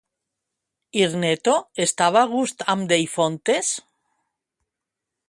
Hirneto estava a gust amb Deifontes?